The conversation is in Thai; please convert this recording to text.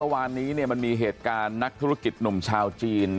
เมื่อวานนี้มันมีเหตุการณ์นักธุรกิจหนุ่มชาวจีน